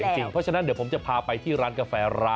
เพราะฉะนั้นเดี๋ยวผมจะพาไปที่ร้านกาแฟร้าน